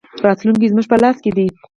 راتلونکی زموږ په لاس کې دی